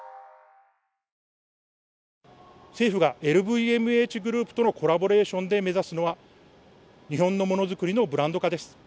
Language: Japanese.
政府がＬＶＭＨグループとのコラボレーションで目指すのは、日本のものづくりのブランド化です。